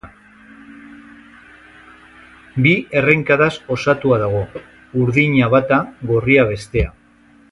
Bi errenkadaz osatua dago: urdina bata, gorria bestea.